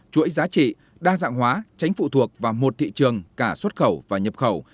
chuỗi giá trị đa dạng hóa tránh phụ thuộc vào một thị trường cả xuất khẩu và nhập khẩu